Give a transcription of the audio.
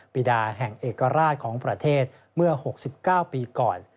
ปีดาแห่งเอกราชของประเทศเมื่อ๖๙ปีก่อน